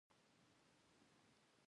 دا معنا زموږ له بحث سره تړاو نه لري.